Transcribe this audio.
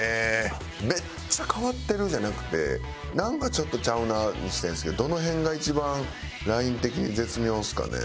「めっちゃ変わってる」じゃなくて「なんかちょっとちゃうな」にしたいんですけどどの辺が一番ライン的に絶妙ですかね？